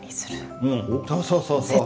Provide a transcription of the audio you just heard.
そうそうそうそう。